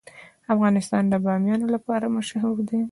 افغانستان د بامیان لپاره مشهور دی.